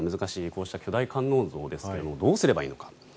こうした巨大観音像ですがどうすればいいのか。